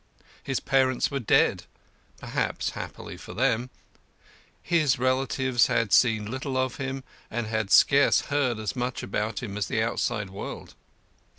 His parents were dead, perhaps happily for them; his relatives had seen little of him, and had scarce heard as much about him as the outside world.